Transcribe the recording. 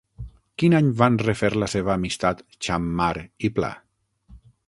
Quin any van refer la seva amistat Xammar i Pla?